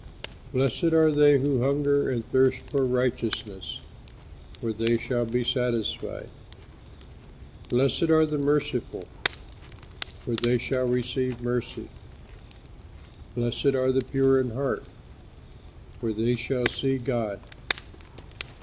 Blessed are they who hunger and thirst for righteousness, For they shall be satisfied. Blessed are the merciful, For they shall receive mercy. Blessed are the pure in heart, For they shall see God.